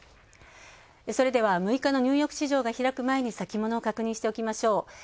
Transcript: それでは６日のニューヨーク市場が開く前に先物を確認しておきましょう。